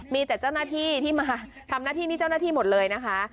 มีแต่เจ้าหน้าที่ที่มาทำหน้าที่นี่เจ้าหน้าที่หมดเลยนะคะ